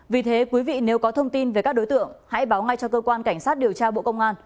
vì thế quý vị nếu có thông tin về các đối tượng hãy báo ngay cho cơ quan cảnh sát điều tra bộ công an